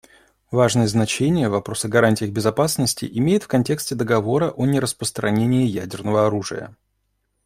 Важное значение вопрос о гарантиях безопасности имеет в контексте Договора о нераспространении ядерного оружия.